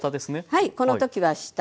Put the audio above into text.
はいこの時は下。